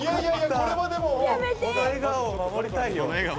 この笑顔を守りたいよ。